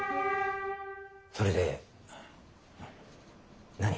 それで何？